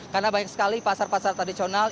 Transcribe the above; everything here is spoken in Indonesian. karena banyak sekali pasar pasar tradisional